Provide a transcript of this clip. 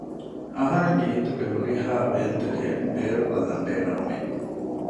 އަހަރެންގެ ހިތުގެ ހުރިހާވޭންތަކެއް ބޭރުކޮއްލަން ބޭނުންވި